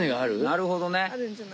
なるほどね。